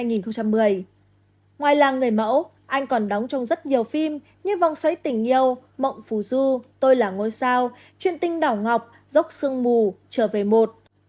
ngoài làng người mẫu anh còn đóng trong rất nhiều phim như vòng xoáy tỉnh nhiêu mộng phù du tôi là ngôi sao chuyện tinh đảo ngọc dốc sương mù trở về một